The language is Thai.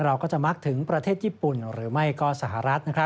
เราก็จะมักถึงประเทศญี่ปุ่นหรือไม่ก็สหรัฐ